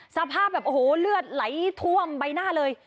สภาพแบบโอ้โหเลือดไหลท่วมใบหน้าเลย